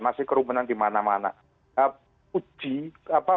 masih kerumunan di mana mana